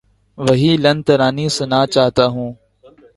وہی لن ترانی سنا چاہتا ہوں